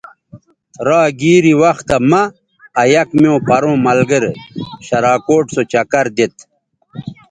را گیری وختہ مہ آ یک میوں پروں ملگرے شراکوٹ سو چکر دیتھ